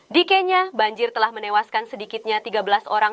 di kenya banjir telah menewaskan sedikitnya tiga belas orang